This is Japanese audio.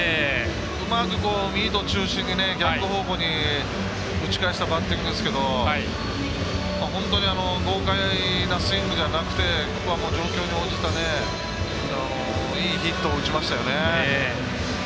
うまくミート中心に逆方向に打ち返したバッティングですけど本当に豪快なスイングじゃなくてここは状況に応じたいいヒットを打ちましたよね。